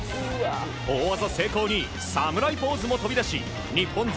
大技成功に侍ポーズも飛び出し日本勢